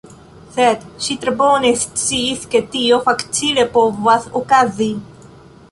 Sed ŝi tre bone sciis ke tio facile povas okazi.